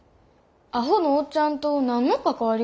アホのおっちゃんと何の関わりがあるん？